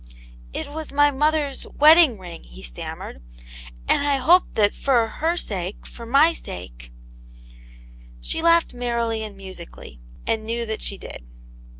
. "It was my mother's wedding ring," he stam mered, "and I hoped that for her sake, for my sake r" She laughed merrily and musically, and knew that she did.